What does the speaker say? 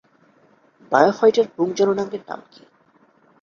ব্রায়োফাইটার পুংজননাঙ্গের নাম কী?